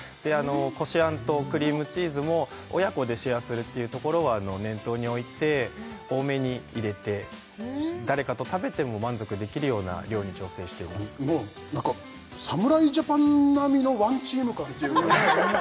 こしあんとクリームチーズも親子でシェアするっていうところは念頭に置いて多めに入れて誰かと食べても満足できるような量に調整していますなんか侍ジャパン並みのワンチーム感というかね